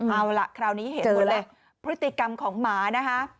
เอาล่ะคราวนี้เห็นหมดเลยพฤติกรรมของหมานะคะ